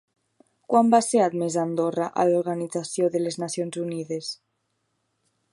Quan va ser admesa Andorra a l'Organització de les Nacions Unides?